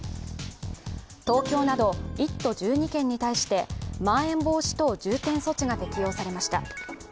東京など１都１２県に対してまん延防止等重点措置が適用されました。